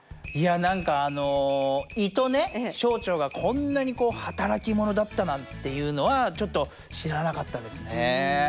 いやなんかあの胃とね小腸がこんなに働きものだったなんていうのはちょっとしらなかったですね。